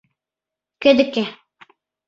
— Кӧ деке?